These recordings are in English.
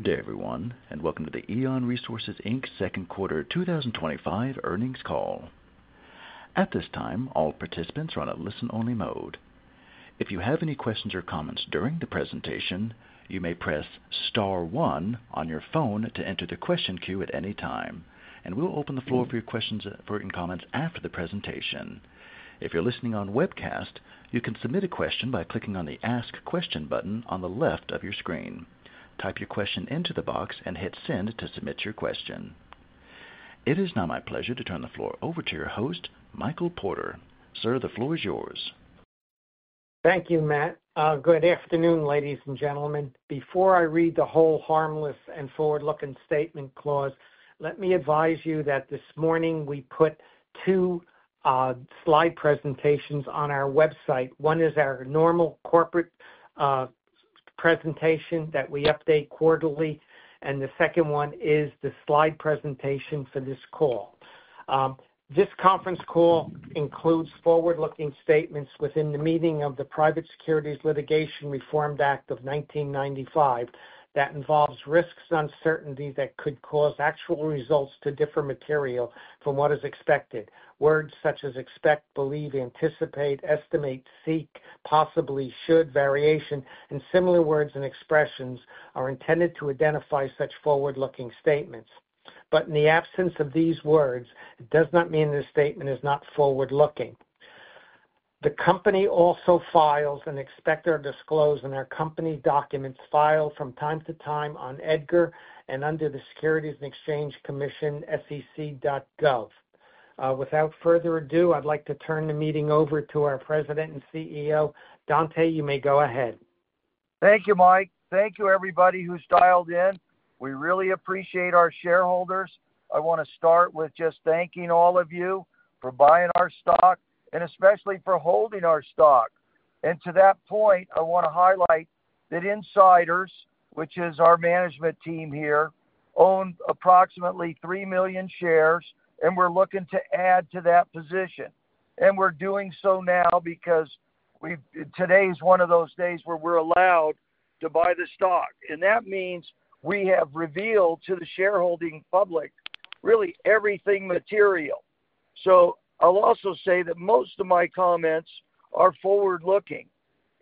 Good day, everyone, and welcome to the EON Resources Inc. Second Quarter 2025 Earnings Call. At this time, all participants are on a listen-only mode. If you have any questions or comments during the presentation, you may press star one on your phone to enter the question queue at any time, and we'll open the floor for your questions and comments after the presentation. If you're listening on webcast, you can submit a question by clicking on the ask question button on the left of your screen. Type your question into the box and hit send to submit your question. It is now my pleasure to turn the floor over to your host, Michael Porter. Sir, the floor is yours. Thank you, Matt. Good afternoon, ladies and gentlemen. Before I read the hold harmless and forward-looking statement clause, let me advise you that this morning we put two slide presentations on our website. One is our normal corporate presentation that we update quarterly, and the second one is the slide presentation for this call. This conference call includes forward-looking statements within the meaning of the Private Securities Litigation Reform Act of 1995 that involve risks and uncertainties that could cause actual results to differ materially from what is expected. Words such as expect, believe, anticipate, estimate, seek, possibly, should, variation, and similar words and expressions are intended to identify such forward-looking statements. In the absence of these words, it does not mean the statement is not forward-looking. The company also files and expects or discloses in our company documents filed from time to time on EDGAR and under the Securities and Exchange Commission, SEC.gov. Without further ado, I'd like to turn the meeting over to our President and CEO, Dante. You may go ahead. Thank you, Mike. Thank you, everybody who's dialed in. We really appreciate our shareholders. I want to start with just thanking all of you for buying our stock and especially for holding our stock. To that point, I want to highlight that Insiders, which is our management team here, owns approximately 3 million shares, and we're looking to add to that position. We're doing so now because today is one of those days where we're allowed to buy the stock. That means we have revealed to the shareholding public really everything material. I'll also say that most of my comments are forward-looking.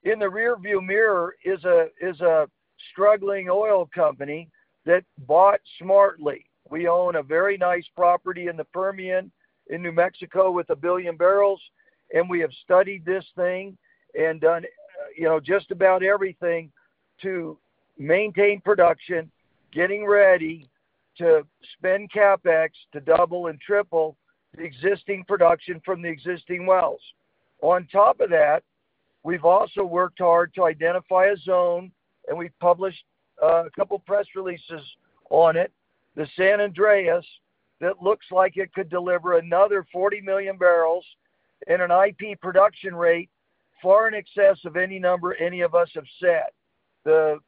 In the rearview mirror is a struggling oil company that bought smartly. We own a very nice property in the Permian in New Mexico with 1 billion barrels, and we have studied this thing and done just about everything to maintain production, getting ready to spend CapEx to double and triple the existing production from the existing wells. On top of that, we've also worked hard to identify a zone, and we've published a couple of press releases on it, the San Andres, that looks like it could deliver another 40 million barrels in an IP production rate far in excess of any number any of us have set. The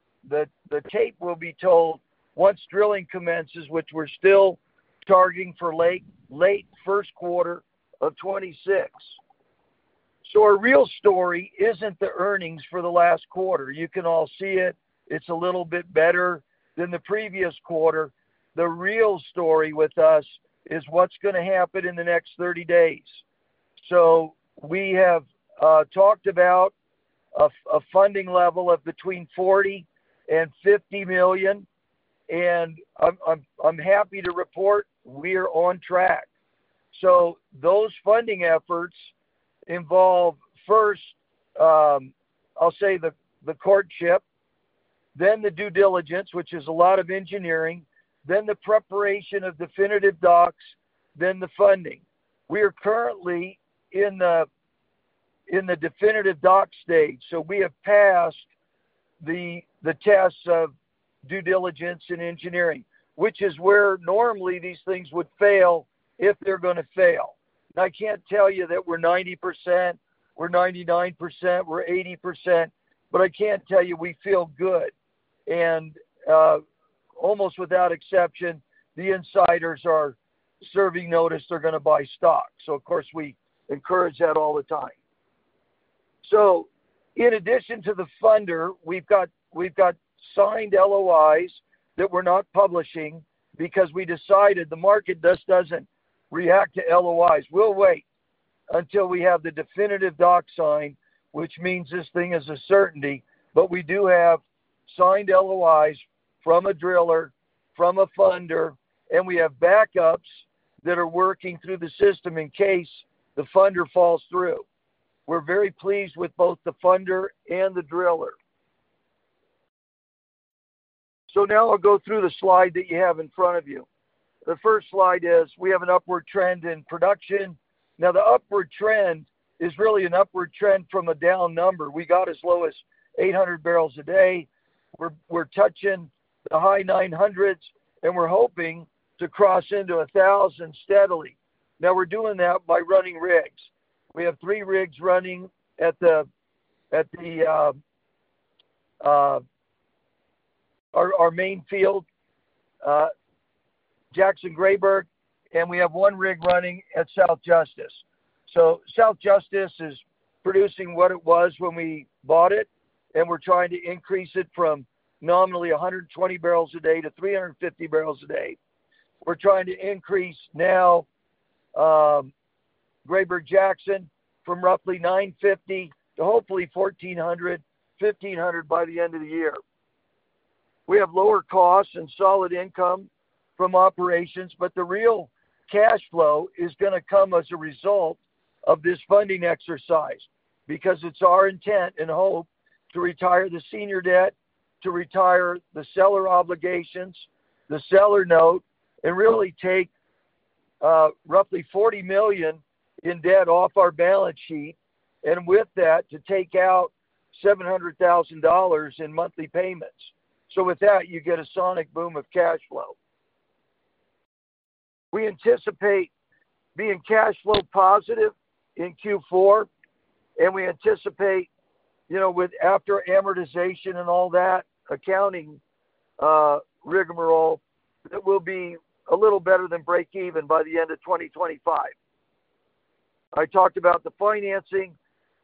tape will be told once drilling commences, which we're still targeting for late first quarter of 2026. Our real story isn't the earnings for the last quarter. You can all see it. It's a little bit better than the previous quarter. The real story with us is what's going to happen in the next 30 days. We have talked about a funding level of between $40 million and $50 million, and I'm happy to report we are on track. Those funding efforts involve, first, I'll say the courtship, then the due diligence, which is a lot of engineering, then the preparation of definitive docs, then the funding. We are currently in the definitive docs stage, so we have passed the tests of due diligence and engineering, which is where normally these things would fail if they're going to fail. I can't tell you that we're 90%, we're 99%, we're 80%, but I can tell you we feel good. Almost without exception, the Insiders are serving notice they're going to buy stock. Of course, we encourage that all the time. In addition to the funder, we've got signed LOIs that we're not publishing because we decided the market just doesn't react to LOIs. We'll wait until we have the definitive doc signed, which means this thing is a certainty. We do have signed LOIs from a driller, from a funder, and we have backups that are working through the system in case the funder falls through. We're very pleased with both the funder and the driller. Now I'll go through the slide that you have in front of you. The first slide is we have an upward trend in production. The upward trend is really an upward trend from a down number. We got as low as 800 barrels a day. We're touching the high 900s, and we're hoping to cross into 1,000 steadily. We're doing that by running rigs. We have three rigs running at our main field, Grayburg-Jackson, and we have one rig running at South Justis. South Justis is producing what it was when we bought it, and we're trying to increase it from nominally 120 barrels a day to 350 barrels a day. We're trying to increase now Grayburg-Jackson from roughly 950, hopefully 1,400, 1,500 by the end of the year. We have lower costs and solid income from operations, but the real cash flow is going to come as a result of this funding exercise because it's our intent and hope to retire the senior debt, to retire the seller obligations, the seller note, and really take roughly $40 million in debt off our balance sheet and with that to take out $700,000 in monthly payments. With that, you get a sonic boom of cash flow. We anticipate being cash flow positive in Q4, and we anticipate, after amortization and all that accounting rigmarole, it will be a little better than break even by the end of 2025. I talked about the financing,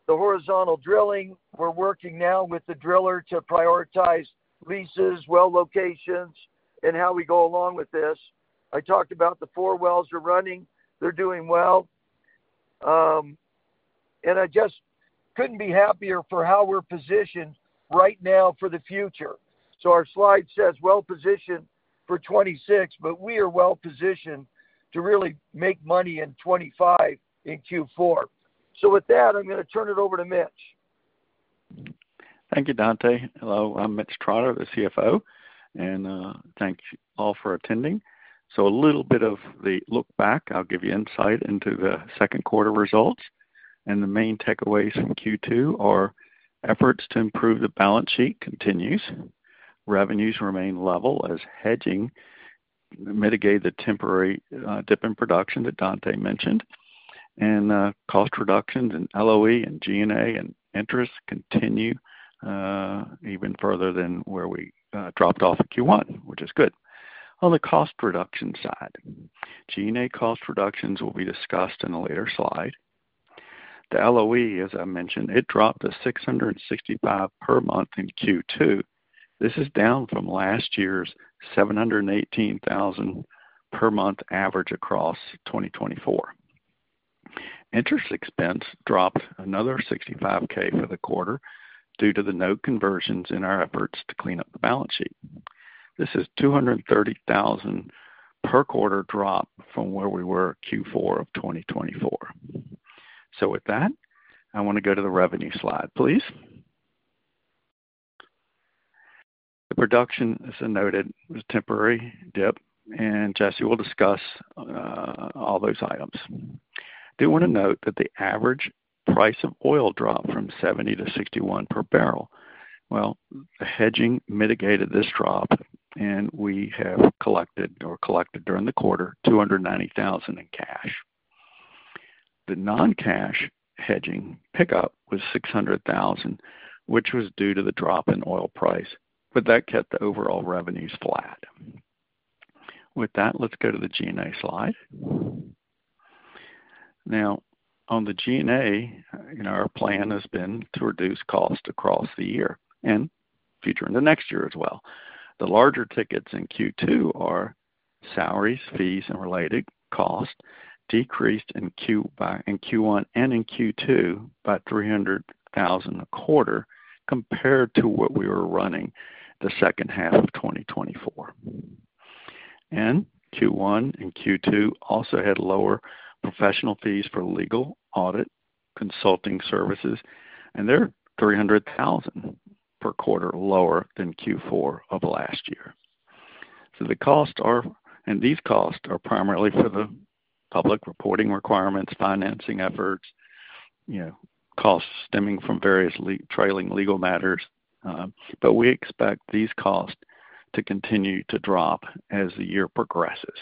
the horizontal drilling. We're working now with the driller to prioritize leases, well locations, and how we go along with this. I talked about the four wells are running. They're doing well. I just couldn't be happier for how we're positioned right now for the future. Our slide says well-positioned for 2026, but we are well-positioned to really make money in 2025 in Q4. With that, I'm going to turn it over to Mitch. Thank you, Dante. Hello, I'm Mitch Trotter, the CFO, and thank you all for attending. A little bit of the look back. I'll give you insight into the second quarter results. The main takeaways from Q2 are efforts to improve the balance sheet continues. Revenues remain level as hedging mitigated the temporary dip in production that Dante mentioned. Cost reductions in LOE and G&A and interest continue even further than where we dropped off in Q1, which is good. On the cost reduction side, G&A cost reductions will be discussed in a later slide. The LOE, as I mentioned, dropped to $665,000 per month in Q2. This is down from last year's $718,000 per month average across 2024. Interest expense dropped another $65,000 for the quarter due to the note conversions in our efforts to clean up the balance sheet. This is a $230,000 per quarter drop from where we were in Q4 of 2024. With that, I want to go to the revenue slide, please. The reduction is noted with a temporary dip, and Jesse will discuss all those items. I do want to note that the average price of oil dropped from $70 to $61 per barrel. The hedging mitigated this drop, and we have collected or collected during the quarter $290,000 in cash. The non-cash hedging pickup was $600,000, which was due to the drop in oil price, but that kept the overall revenues flat. With that, let's go to the G&A slide. Now, on the G&A, our plan has been to reduce costs across the year and future in the next year as well. The larger tickets in Q2 are salaries, fees, and related costs decreased in Q1 and in Q2 by $300,000 a quarter compared to what we were running the second half of 2024. Q1 and Q2 also had lower professional fees for legal audit consulting services, and they're $300,000 per quarter lower than Q4 of last year. The costs are, and these costs are primarily for the public reporting requirements, financing efforts, costs stemming from various trailing legal matters. We expect these costs to continue to drop as the year progresses.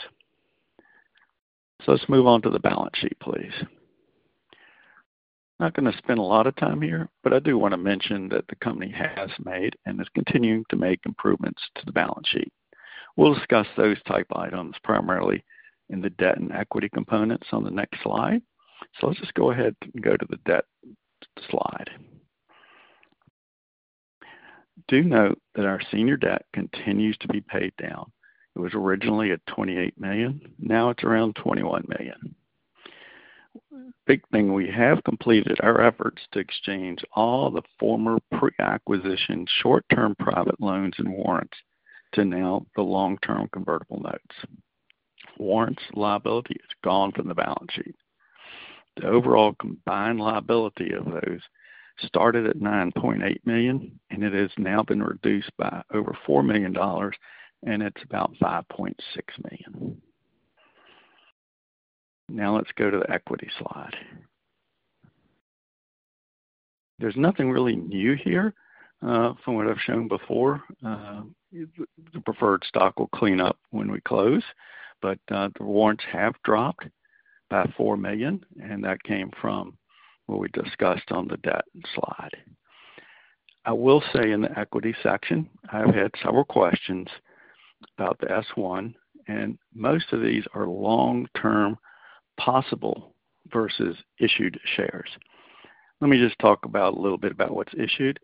Let's move on to the balance sheet, please. I'm not going to spend a lot of time here, but I do want to mention that the company has made and is continuing to make improvements to the balance sheet. We'll discuss those type items primarily in the debt and equity components on the next slide. Let's just go ahead and go to the debt slide. Do note that our senior debt continues to be paid down. It was originally at $28 million. Now it's around $21 million. Big thing, we have completed our efforts to exchange all the former pre-acquisition short-term private loans and warrants to now the long-term convertible notes. Warrants' liability is gone from the balance sheet. The overall combined liability of those started at $9.8 million, and it has now been reduced by over $4 million, and it's about $5.6 million. Now let's go to the equity slide. There's nothing really new here from what I've shown before. The preferred stock will clean up when we close, but the warrants have dropped by $4 million, and that came from what we discussed on the debt slide. I will say in the equity section, I've had several questions about the S-1, and most of these are long-term possible versus issued shares. Let me just talk a little bit about what's issued.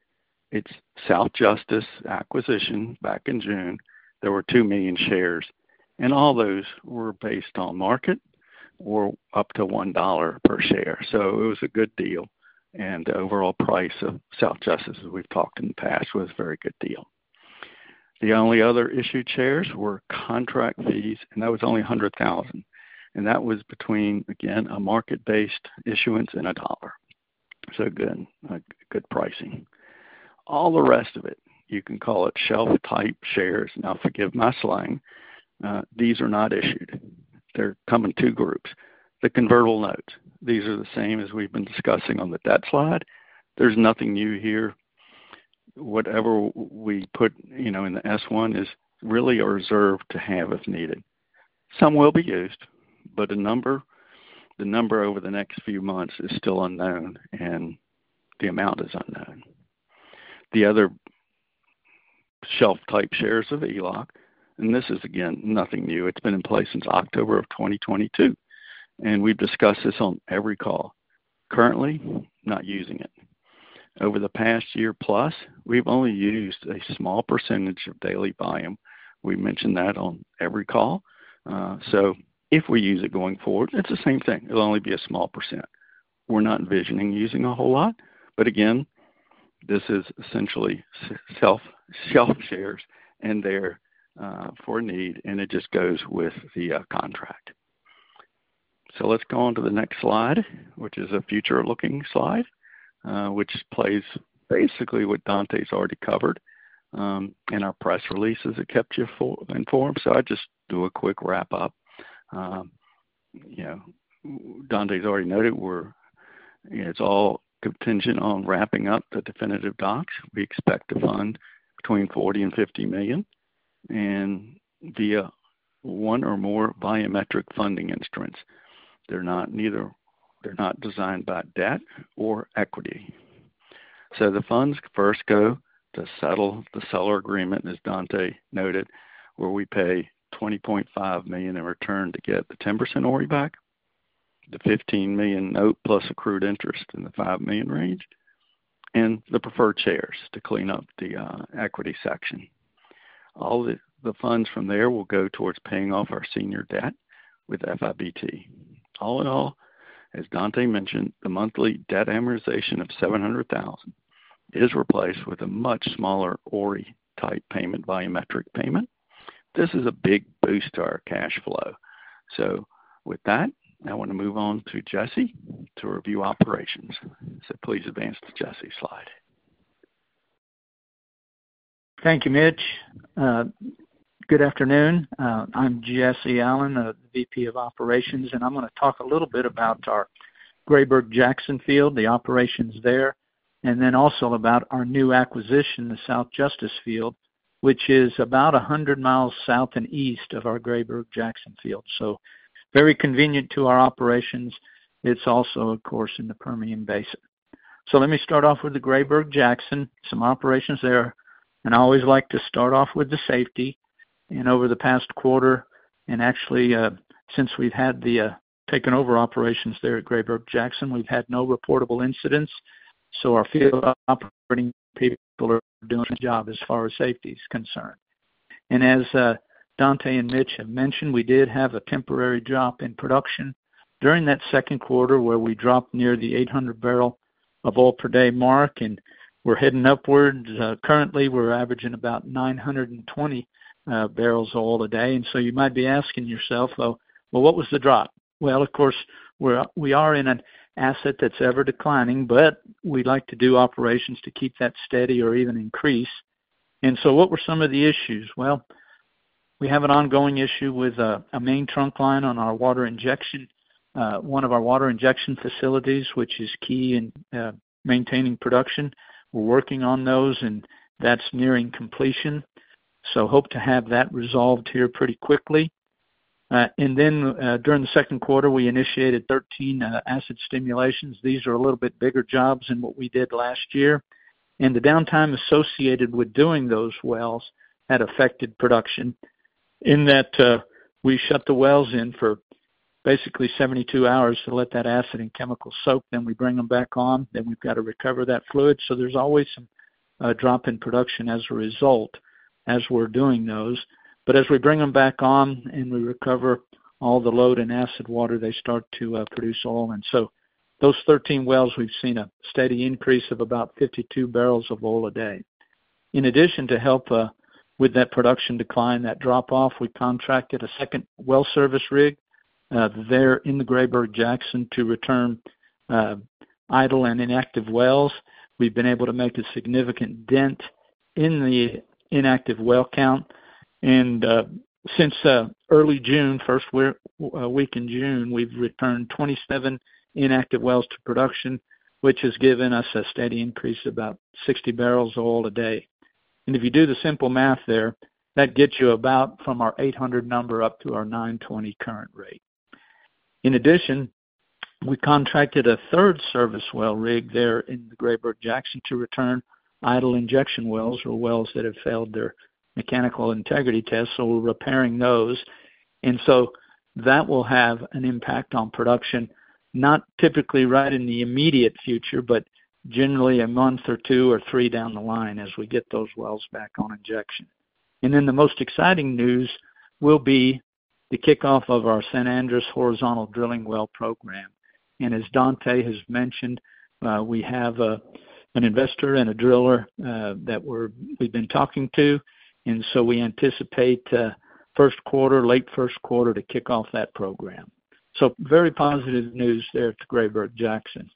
It's South Justis acquisition back in June. There were 2 million shares, and all those were based on market, were up to $1 per share. It was a good deal. The overall price of South Justis, as we've talked in the past, was a very good deal. The only other issued shares were contract fees, and that was only $100,000. That was between, again, a market-based issuance and $1. Good, good pricing. All the rest of it, you can call it shelf-type shares. Forgive my slang. These are not issued. They're coming in two groups. The convertible notes, these are the same as we've been discussing on the debt slide. There's nothing new here. Whatever we put, you know, in the S-1 is really reserved to have if needed. Some will be used, but the number over the next few months is still unknown, and the amount is unknown. The other shelf-type shares are ELOC, and this is again nothing new. It's been in place since October of 2022, and we've discussed this on every call. Currently, not using it. Over the past year plus, we've only used a small percentage of daily volume. We mentioned that on every call. If we use it going forward, it's the same thing. It'll only be a small percent. We're not envisioning using a whole lot. This is essentially shelf shares, and they're for need, and it just goes with the contract. Let's go on to the next slide, which is a future-looking slide, which plays basically what Dante's already covered in our press releases that kept you informed. I'll just do a quick wrap-up. Dante's already noted we're, you know, it's all contingent on wrapping up the definitive docs. We expect to run between $40 million and $50 million via one or more biometric funding instruments. They're not neither designed by debt or equity. The funds first go to settle the seller agreement, as Dante noted, where we pay $20.5 million in return to get the 10% ORRI back, the $15 million note plus accrued interest in the $5 million range, and the preferred shares to clean up the equity section. All the funds from there will go towards paying off our senior debt with FIBT. All in all, as Dante mentioned, the monthly debt amortization of $700,000 is replaced with a much smaller ORRI-type payment, biometric payment. This is a big boost to our cash flow. I want to move on to Jesse to review operations. Please advance to Jesse's slide. Thank you, Mitch. Good afternoon. I'm Jesse Allen, the VP of Operations, and I'm going to talk a little bit about our Grayburg-Jackson Field, the operations there, and also about our new acquisition, the South Justis Field, which is about 100 mi South and East of our Grayburg-Jackson Field. It is very convenient to our operations. It is also, of course, in the Permian Basin. Let me start off with the Grayburg-Jackson, some operations there. I always like to start off with the safety. Over the past quarter, and actually since we've taken over operations there at Grayburg-Jackson, we've had no reportable incidents. Our field operating people are doing a job as far as safety is concerned. As Dante and Mitch have mentioned, we did have a temporary drop in production during that second quarter where we dropped near the 800 barrel of oil per day mark, and we're heading upwards. Currently, we're averaging about 920 barrels of oil a day. You might be asking yourself, what was the drop? Of course, we are in an asset that's ever declining, but we'd like to do operations to keep that steady or even increase. What were some of the issues? We have an ongoing issue with a main trunk line on our water injection, one of our water injection facilities, which is key in maintaining production. We're working on those, and that's nearing completion. We hope to have that resolved here pretty quickly. During the second quarter, we initiated 13 acid stimulations. These are a little bit bigger jobs than what we did last year. The downtime associated with doing those wells had affected production in that we shut the wells in for basically 72 hours to let that acid and chemical soak. We bring them back on. We've got to recover that fluid. There is always some drop in production as a result as we're doing those. As we bring them back on and we recover all the load in acid water, they start to produce oil. Those 13 wells, we've seen a steady increase of about 52 barrels of oil a day. In addition, to help with that production decline, that drop-off, we contracted a second well service rig there in the Grayburg-Jackson to return idle and inactive wells. We've been able to make a significant dent in the inactive well count. Since early June, first week in June, we've returned 27 inactive wells to production, which has given us a steady increase of about 60 barrels of oil a day. If you do the simple math there, that gets you about from our 800 number up to our 920 current rate. In addition, we contracted a third service well rig there in the Grayburg-Jackson to return idle injection wells or wells that have failed their mechanical integrity test. We're repairing those, and that will have an impact on production, not typically right in the immediate future, but generally a month or two or three down the line as we get those wells back on injection. The most exciting news will be the kickoff of our San Andres horizontal drilling well program. As Dante has mentioned, we have an investor and a driller that we've been talking to, and we anticipate the first quarter, late first quarter, to kick off that program. Very positive news there at the Grayburg-Jackson.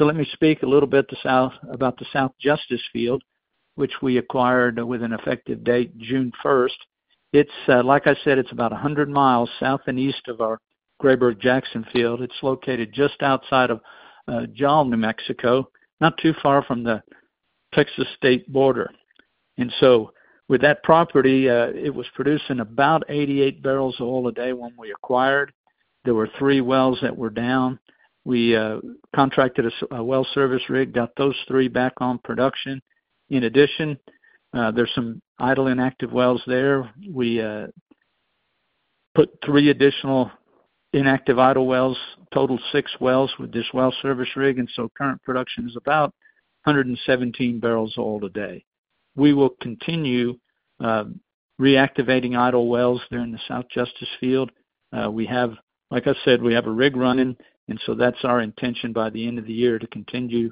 Let me speak a little bit about the South Justis Field, which we acquired with an effective date, June 1. Like I said, it's about 100 mi South and East of our Grayburg-Jackson Field. It's located just outside of Jal, New Mexico, not too far from the Texas state border. With that property, it was producing about 88 barrels of oil a day when we acquired. There were three wells that were down. We contracted a well service rig, got those three back on production. In addition, there's some idle inactive wells there. We put three additional inactive idle wells, total six wells with this well service rig. Current production is about 117 barrels of oil a day. We will continue reactivating idle wells there in the South Justis Field. Like I said, we have a rig running, and that's our intention by the end of the year to continue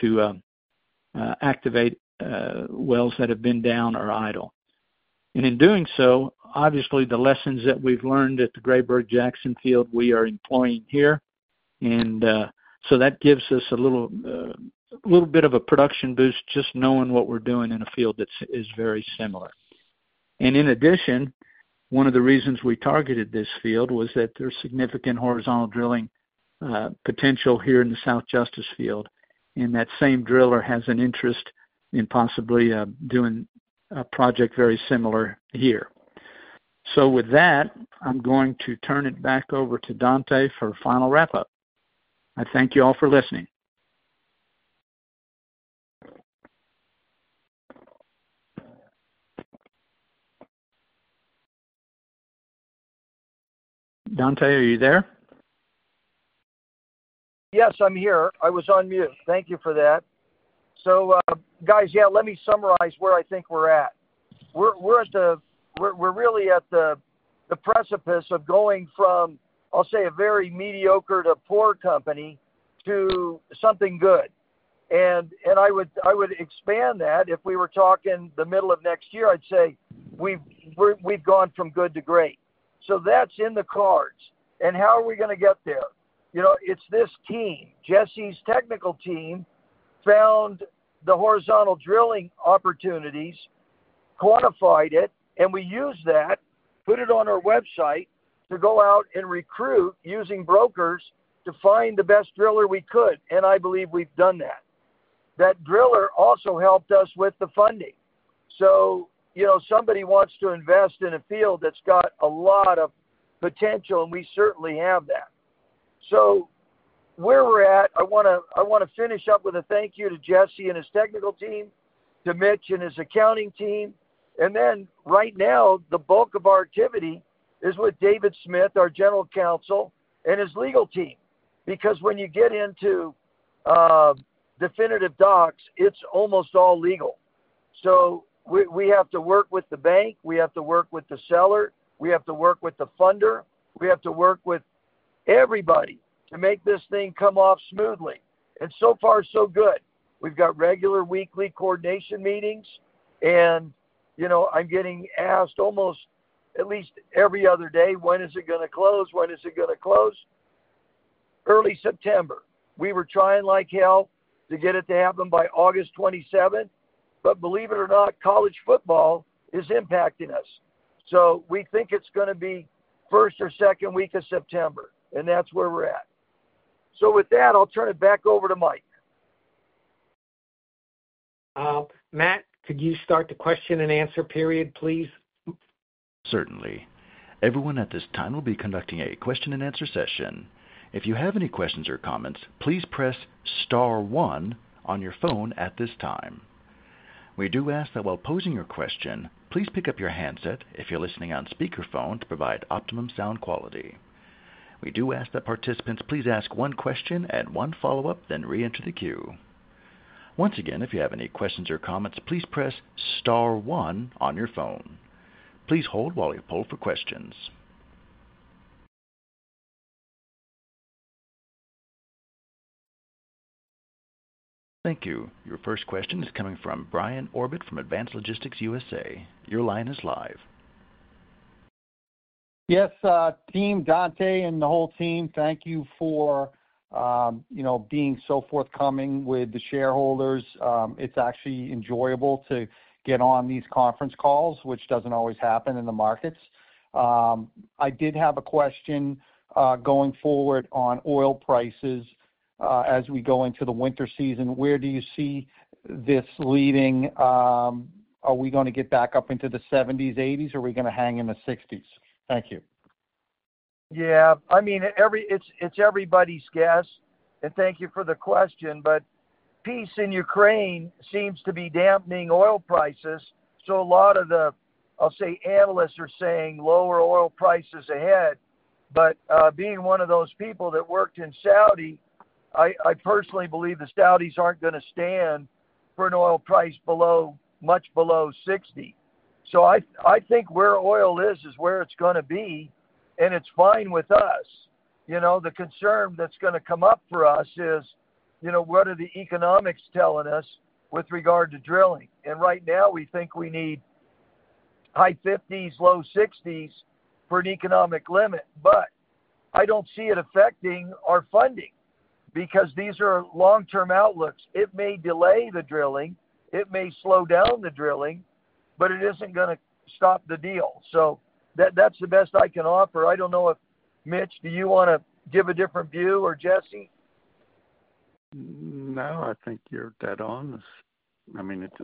to activate wells that have been down or idle. In doing so, obviously, the lessons that we've learned at the Grayburg-Jackson Field, we are employing here. That gives us a little bit of a production boost just knowing what we're doing in a field that is very similar. In addition, one of the reasons we targeted this field was that there's significant horizontal drilling potential here in the South Justis Field, and that same driller has an interest in possibly doing a project very similar here. With that, I'm going to turn it back over to Dante for a final wrap-up. I thank you all for listening. Dante, are you there? Yes, I'm here. I was on mute. Thank you for that. So, guys, let me summarize where I think we're at. We're really at the precipice of going from, I'll say, a very mediocre to poor company to something good. I would expand that if we were talking the middle of next year, I'd say we've gone from good to great. That's in the cards. How are we going to get there? It's this team. Jesse's technical team found the horizontal drilling opportunities, quantified it, and we used that, put it on our website to go out and recruit using brokers to find the best driller we could. I believe we've done that. That driller also helped us with the funding. Somebody wants to invest in a field that's got a lot of potential, and we certainly have that. Where we're at, I want to finish up with a thank you to Jesse and his technical team, to Mitch and his accounting team. Right now, the bulk of our activity is with David Smith, our General Counsel, and his legal team. When you get into definitive docs, it's almost all legal. We have to work with the bank. We have to work with the seller. We have to work with the funder. We have to work with everybody to make this thing come off smoothly. So far, so good. We've got regular weekly coordination meetings. I'm getting asked almost at least every other day, when is it going to close? When is it going to close? Early September. We were trying like hell to get it to happen by August 27. Believe it or not, college football is impacting us. We think it's going to be first or second week of September. That's where we're at. With that, I'll turn it back over to Mike. Matt, could you start the question and answer period, please? Certainly. Everyone at this time will be conducting a question-and-answer session. If you have any questions or comments, please press star one on your phone at this time. We do ask that while posing your question, please pick up your handset if you're listening on speakerphone to provide optimum sound quality. We do ask that participants please ask one question and one follow-up, then reenter the queue. Once again, if you have any questions or comments, please press star one on your phone. Please hold while we poll for questions. Thank you. Your first question is coming from Brian Orbit from Advanced Logistics U.S.A. Your line is live. Yes, Dante and the whole team, thank you for being so forthcoming with the shareholders. It's actually enjoyable to get on these conference calls, which doesn't always happen in the markets. I did have a question going forward on oil prices as we go into the winter season. Where do you see this leading? Are we going to get back up into the $70s, $80s, or are we going to hang in the $60s? Thank you. Yeah, I mean, it's everybody's guess. Thank you for the question. Peace in Ukraine seems to be dampening oil prices. A lot of the analysts are saying lower oil prices ahead. Being one of those people that worked in Saudi, I personally believe the Saudis aren't going to stand for an oil price much below $60. I think where oil is, is where it's going to be. It's fine with us. The concern that's going to come up for us is, what are the economics telling us with regard to drilling? Right now, we think we need high $50s, low $60s for an economic limit. I don't see it affecting our funding because these are long-term outlooks. It may delay the drilling. It may slow down the drilling, but it isn't going to stop the deal. That's the best I can offer. I don't know if, Mitch, do you want to give a different view or Jesse? No, I think you're dead on. I mean, it's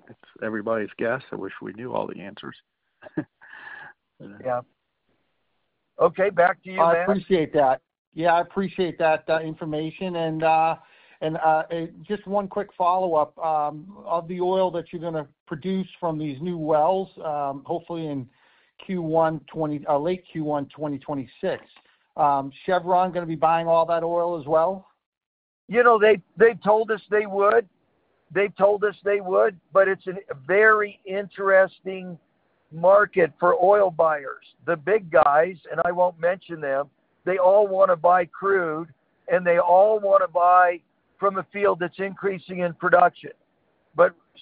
everybody's guess. I wish we knew all the answers. Yeah, okay, back to you, Mitch. I appreciate that. I appreciate that information. Just one quick follow-up. Of the oil that you're going to produce from these new wells, hopefully in Q1, late Q1 2026, is Chevron going to be buying all that oil as well? They told us they would, but it's a very interesting market for oil buyers. The big guys, and I won't mention them, they all want to buy crude, and they all want to buy from a field that's increasing in production.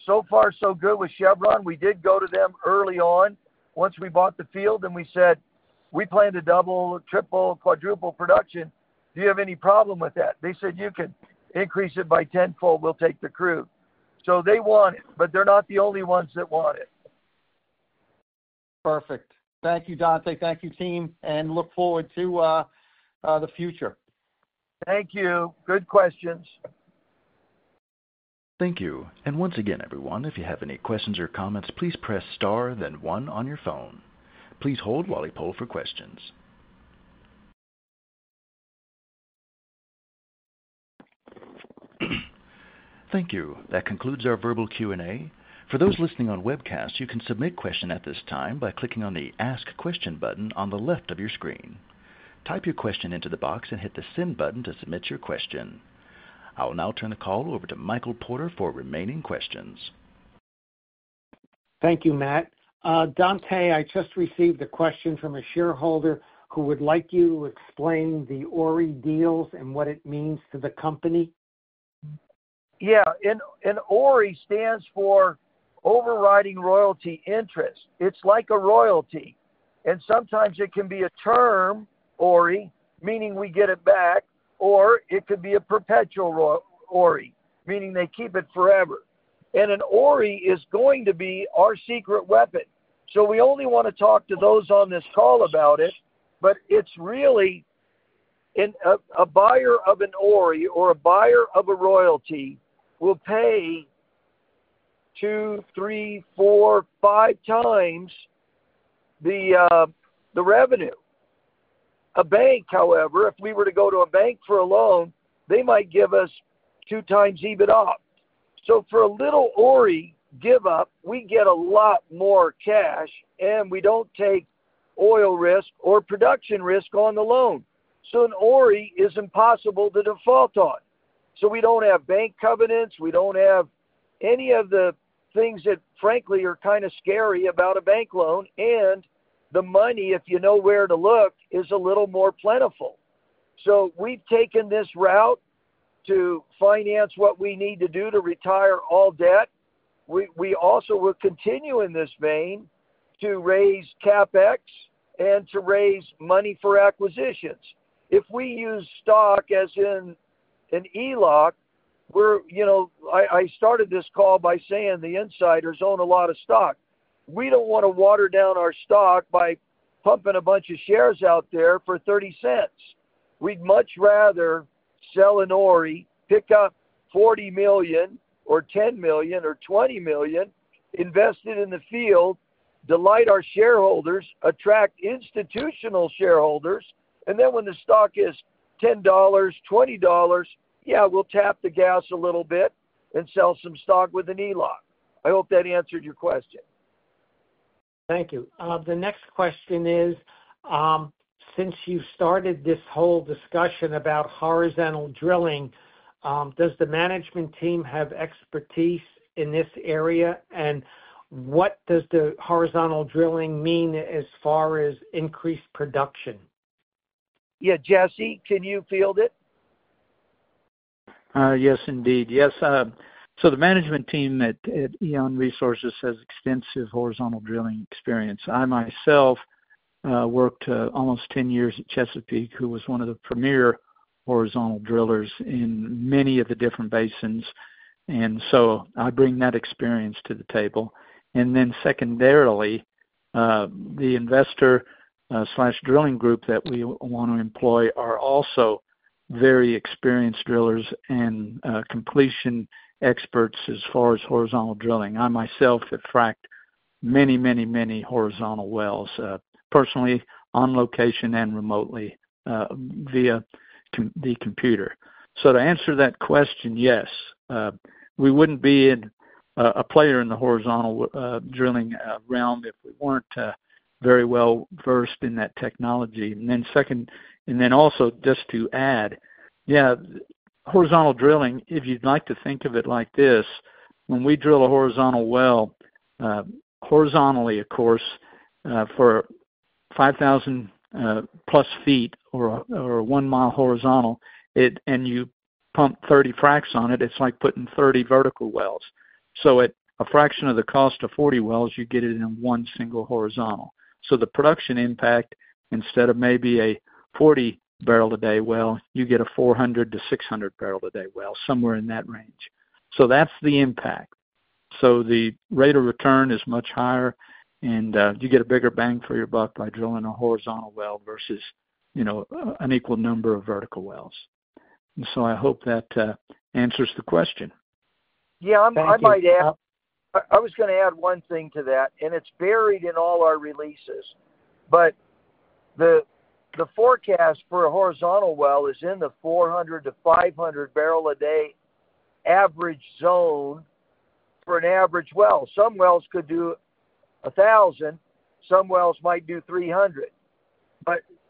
So far, so good with Chevron. We did go to them early on once we bought the field, and we said, we plan to double, triple, quadruple production. Do you have any problem with that? They said, you can increase it by tenfold. We'll take the crude. They want it, but they're not the only ones that want it. Perfect. Thank you, Dante. Thank you, team, and look forward to the future. Thank you. Good questions. Thank you. Once again, everyone, if you have any questions or comments, please press star then one on your phone. Please hold while we poll for questions. Thank you. That concludes our verbal Q&A. For those listening on webcast, you can submit a question at this time by clicking on the ask question button on the left of your screen. Type your question into the box and hit the send button to submit your question. I will now turn the call over to Michael Porter for remaining questions. Thank you, Matt. Dante, I just received a question from a shareholder who would like you to explain the ORRI deals and what it means to the company. Yeah, and ORRI stands for Overriding Royalty Interest. It's like a royalty. Sometimes it can be a term ORRI, meaning we get it back, or it could be a perpetual ORRI, meaning they keep it forever. An ORRI is going to be our secret weapon. We only want to talk to those on this call about it, but it's really a buyer of an ORRI or a buyer of a royalty will pay 2x, 3x, 4x, 5x the revenue. A bank, however, if we were to go to a bank for a loan, they might give us 2x EBITDA. For a little ORRI give-up, we get a lot more cash, and we don't take oil risk or production risk on the loan. An ORRI is impossible to default on. We don't have bank covenants. We don't have any of the things that, frankly, are kind of scary about a bank loan. The money, if you know where to look, is a little more plentiful. We've taken this route to finance what we need to do to retire all debt. We also will continue in this vein to raise CapEx and to raise money for acquisitions. If we use stock as in an ELOC, I started this call by saying the Insiders own a lot of stock. We don't want to water down our stock by pumping a bunch of shares out there for $0.30. We'd much rather sell an ORRI, pick up $40 million or $10 million or $20 million, invest it in the field, delight our shareholders, attract institutional shareholders. When the stock is $10, $20, we'll tap the gas a little bit and sell some stock with an ELOC. I hope that answered your question. Thank you. The next question is, since you started this whole discussion about horizontal drilling, does the management team have expertise in this area? What does the horizontal drilling mean as far as increased production? Yeah, Jesse, can you field it? Yes, indeed. Yes. The management team at EON Resources has extensive horizontal drilling experience. I myself worked almost 10 years at Chesapeake, who was one of the premier horizontal drillers in many of the different basins. I bring that experience to the table. The investor/drilling group that we want to employ are also very experienced drillers and completion experts as far as horizontal drilling. I myself have fracked many, many, many horizontal wells, personally on location and remotely via the computer. To answer that question, yes, we wouldn't be a player in the horizontal drilling realm if we weren't very well versed in that technology. Also, just to add, horizontal drilling, if you'd like to think of it like this, when we drill a horizontal well, horizontally, of course, for 5,000+ ft or a 1 mi horizontal, and you pump 30 fracks on it, it's like putting 30 vertical wells. At a fraction of the cost of 40 wells, you get it in one single horizontal. The production impact, instead of maybe a 40-barrel-a-day well, you get a 400-600-barrel-a-day well, somewhere in that range. That's the impact. The rate of return is much higher, and you get a bigger bang for your buck by drilling a horizontal well versus, you know, an equal number of vertical wells. I hope that answers the question. Yeah, I might add, I was going to add one thing to that, and it's buried in all our releases. The forecast for a horizontal well is in the 400-500 barrel a day average zone for an average well. Some wells could do 1,000. Some wells might do 300.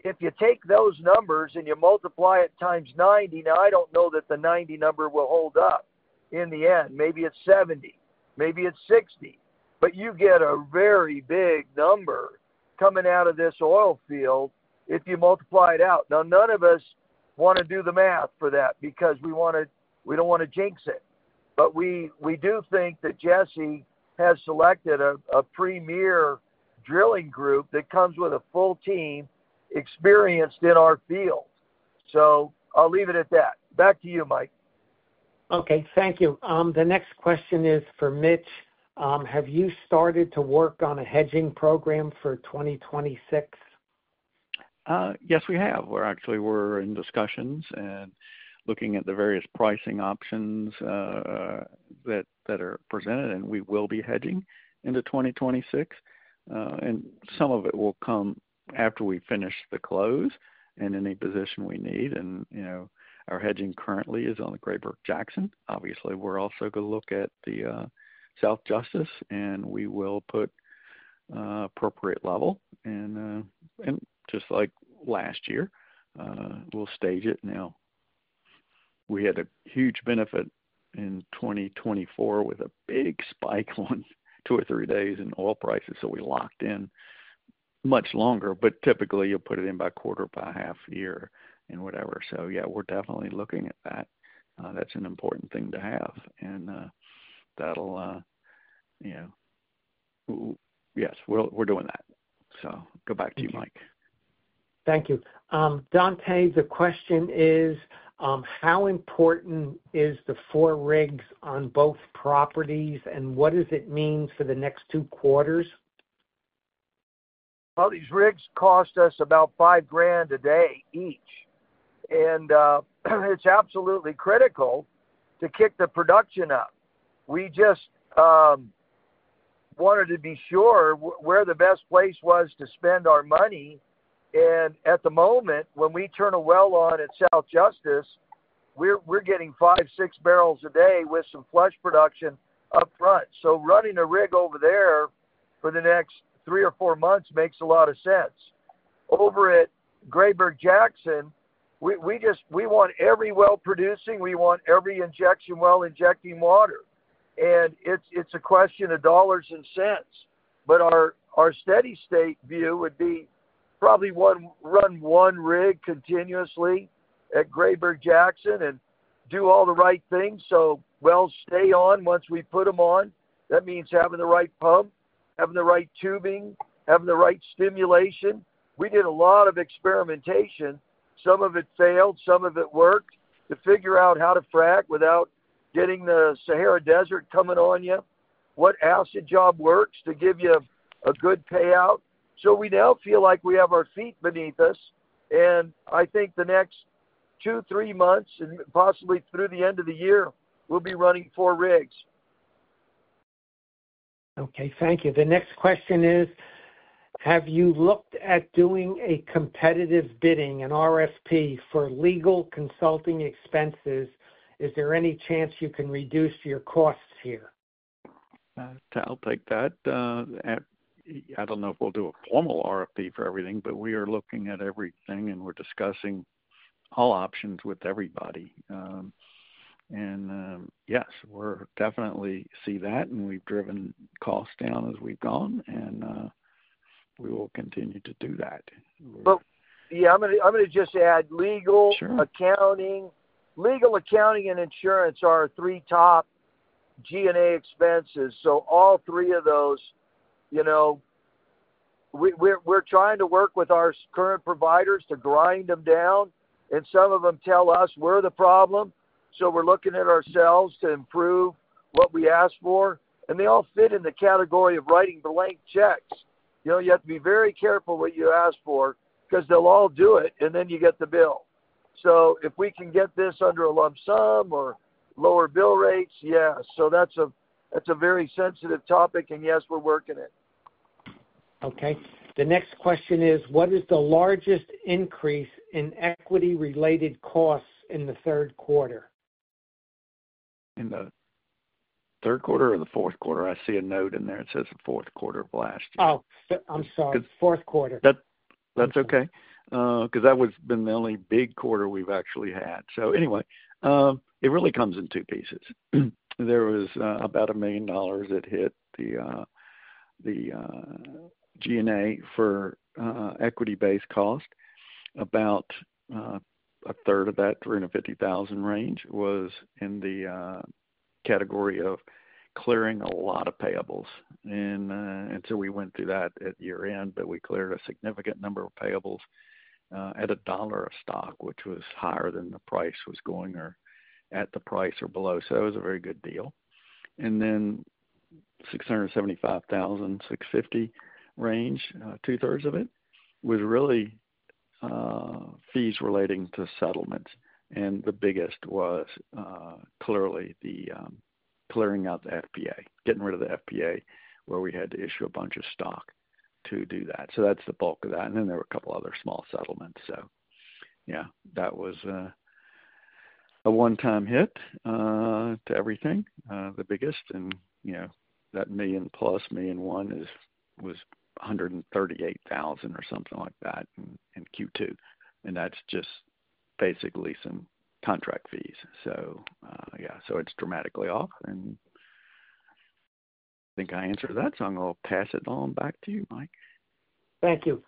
If you take those numbers and you multiply it times 90, now I don't know that the 90 number will hold up in the end. Maybe it's 70. Maybe it's 60. You get a very big number coming out of this oil field if you multiply it out. None of us want to do the math for that because we don't want to jinx it. We do think that Jesse has selected a premier drilling group that comes with a full team experienced in our field. I'll leave it at that. Back to you, Mike. Okay, thank you. The next question is for Mitch. Have you started to work on a hedging program for 2026? Yes, we have. We're actually in discussions and looking at the various pricing options that are presented, and we will be hedging into 2026. Some of it will come after we finish the close and any position we need. You know, our hedging currently is on the Grayburg-Jackson. Obviously, we're also going to look at the South Justis, and we will put an appropriate level. Just like last year, we'll stage it now. We had a huge benefit in 2024 with a big spike on two or three days in oil prices. We locked in much longer. Typically, you'll put it in by a quarter, by a half year, and whatever. Yes, we're definitely looking at that. That's an important thing to have. Yes, we're doing that. Go back to you, Mike. Thank you. Dante, the question is, how important is the four rigs on both properties, and what does it mean for the next two quarters? These rigs cost us about $5,000 a day each. It's absolutely critical to kick the production up. We just wanted to be sure where the best place was to spend our money. At the moment, when we turn a well on at South Justis, we're getting five or six barrels a day with some flush production up front. Running a rig over there for the next three or four months makes a lot of sense. Over at Grayburg-Jackson, we want every well producing. We want every injection well injecting water. It's a question of dollars and cents. Our steady state view would be to probably run one rig continuously at Grayburg-Jackson and do all the right things so wells stay on once we put them on. That means having the right pump, having the right tubing, having the right stimulation. We did a lot of experimentation. Some of it failed, some of it worked to figure out how to frack without getting the Sahara Desert coming on you, what acid job works to give you a good payout. We now feel like we have our feet beneath us. I think the next two or three months, and possibly through the end of the year, we'll be running four rigs. Okay, thank you. The next question is, have you looked at doing a competitive bidding, an RFP for legal consulting expenses? Is there any chance you can reduce your costs here? I'll take that. I don't know if we'll do a formal RFP for everything, but we are looking at everything, and we're discussing all options with everybody. Yes, we're definitely seeing that, and we've driven costs down as we've gone, and we will continue to do that. Yeah, I'm going to just add legal accounting. Legal accounting and insurance are our three top G&A expenses. All three of those, you know, we're trying to work with our current providers to grind them down. Some of them tell us we're the problem. We're looking at ourselves to improve what we ask for. They all fit in the category of writing blank checks. You have to be very careful what you ask for because they'll all do it, and then you get the bill. If we can get this under a lump sum or lower bill rates, yeah, that's a very sensitive topic, and yes, we're working it. Okay. The next question is, what is the largest increase in equity-related costs in the third quarter? In the third quarter or the fourth quarter? I see a note in there. It says the fourth quarter of last. Oh, I'm sorry. Fourth quarter. That's okay. Because that has been the only big quarter we've actually had. Anyway, it really comes in two pieces. There was about $1 million that hit the G&A for equity-based cost. About 1/3 of that, $350,000 range, was in the category of clearing a lot of payables. We went through that at year-end, but we cleared a significant number of payables at $1 a stock, which was higher than the price was going or at the price or below. It was a very good deal. Then $675,650 range, 2/3 of it was really fees relating to settlements. The biggest was clearly clearing out the FPA, getting rid of the FPA where we had to issue a bunch of stock to do that. That's the bulk of that. There were a couple of other small settlements. That was a one-time hit to everything, the biggest. That million plus, $1 million was $138,000 or something like that in Q2. That's just basically some contract fees. It's dramatically off. I think I answered that, so I'm going to pass it on back to you, Mike. Thank you.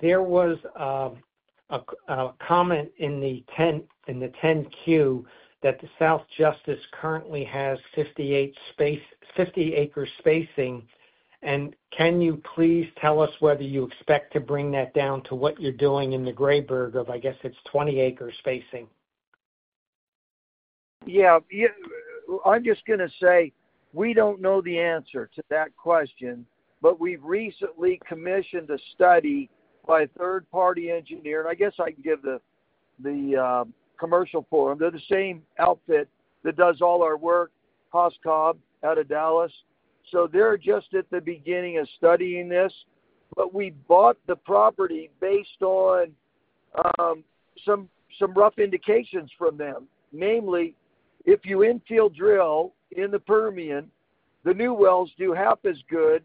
There was a comment in the 10-Q that the South Justis currently has 50 acres spacing. Can you please tell us whether you expect to bring that down to what you're doing in the Grayburg of, I guess, it's 20 acres spacing? Yeah, I'm just going to say we don't know the answer to that question, but we've recently commissioned a study by a third-party engineer. I can give the commercial forum. They're the same outfit that does all our work, Haas & Cobb out of Dallas. They're just at the beginning of studying this. We bought the property based on some rough indications from them. Namely, if you infill drill in the Permian, the new wells do half as good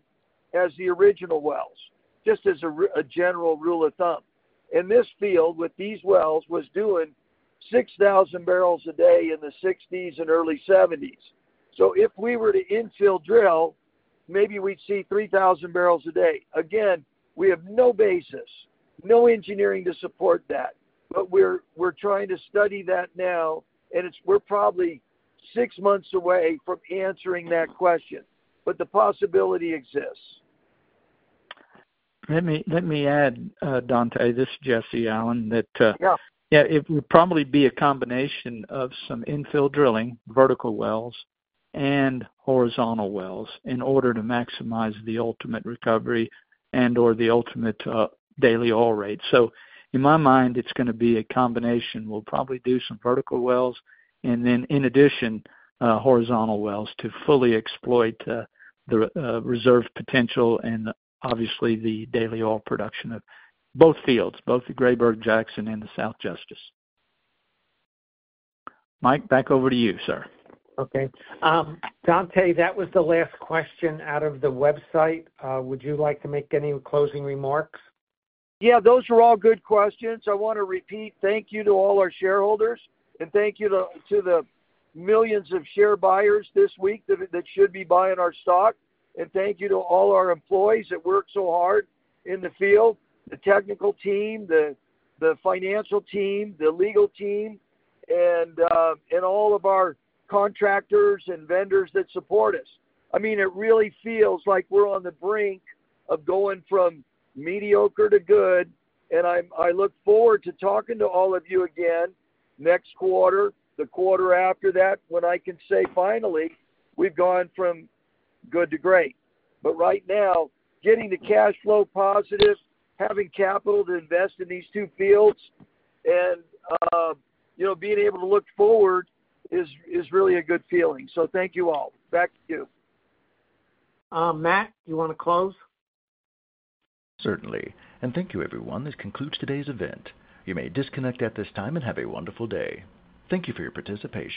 as the original wells, just as a general rule of thumb. This field with these wells was doing 6,000 barrels a day in the 1960s and early 1970s. If we were to infill drill, maybe we'd see 3,000 barrels a day. We have no basis, no engineering to support that. We're trying to study that now, and we're probably six months away from answering that question. The possibility exists. Let me add, Dante, this is Jesse Allen, that it would probably be a combination of some infill drilling, vertical wells, and horizontal wells in order to maximize the ultimate recovery and/or the ultimate daily oil rate. In my mind, it's going to be a combination. We'll probably do some vertical wells and then, in addition, horizontal wells to fully exploit the reserve potential and obviously the daily oil production of both fields, both the Grayburg-Jackson and the South Justis. Mike, back over to you, sir. Okay. Dante, that was the last question out of the website. Would you like to make any closing remarks? Yeah, those are all good questions. I want to repeat, thank you to all our shareholders, and thank you to the millions of share buyers this week that should be buying our stock. Thank you to all our employees that work so hard in the field, the technical team, the financial team, the legal team, and all of our contractors and vendors that support us. It really feels like we're on the brink of going from mediocre to good. I look forward to talking to all of you again next quarter, the quarter after that, when I can say finally, we've gone from good to great. Right now, getting the cash flow positive, having capital to invest in these two fields, and being able to look forward is really a good feeling. Thank you all. Back to you. Matt, you want to close? Certainly. Thank you, everyone. This concludes today's event. You may disconnect at this time and have a wonderful day. Thank you for your participation.